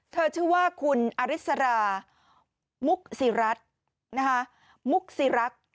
เธอชื่อว่าคุณอริสรามุกสิรัก